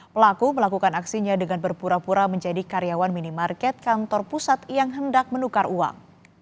pelaku melakukan aksinya dengan berpura pura menjadi karyawan minimarket kantor pusat yang hendak menukar uang